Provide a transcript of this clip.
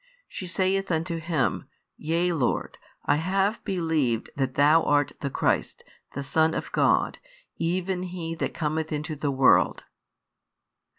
She saith unto Him. Yea, Lord: I have believed that Thou art the Christ, the Son of God, even He that cometh into the world.